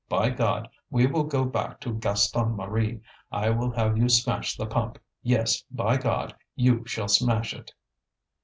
By God! we will go back to Gaston Marie. I will have you smash the pump; yes, by God! you shall smash it!"